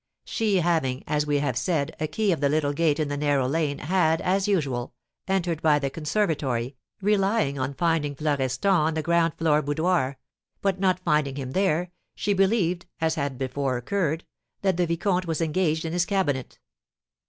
She having, as we have said, a key of the little gate in the narrow lane, had, as usual, entered by the conservatory, relying on finding Florestan on the ground floor boudoir; but, not finding him there, she believed (as had before occurred) that the vicomte was engaged in his cabinet.